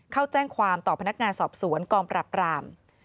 เข้าแจ้งความต่อพนักงานสอบสวนกองปรับราม